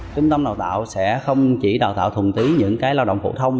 trung tâm đào tạo sẽ không chỉ đào tạo thùng tí những cái lao động phổ thông